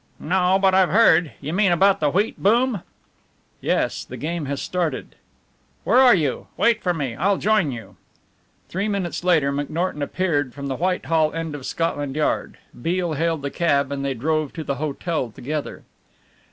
"No, but I've heard. You mean about the wheat boom?" "Yes the game has started." "Where are you wait for me, I'll join you." Three minutes later McNorton appeared from the Whitehall end of Scotland Yard. Beale hailed a cab and they drove to the hotel together.